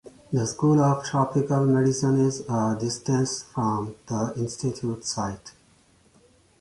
The School of Tropical Medicine is a distance from the institute site.